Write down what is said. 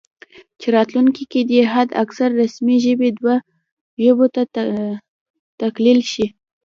چې راتلونکي کې دې حد اکثر رسمي ژبې دوه ژبو ته تقلیل شي